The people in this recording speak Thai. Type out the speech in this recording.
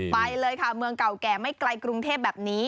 ไปเลยค่ะเมืองเก่าแก่ไม่ไกลกรุงเทพแบบนี้